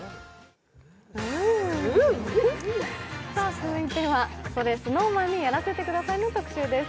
続いては、「それＳｎｏｗＭａｎにやらせて下さい」の特集です。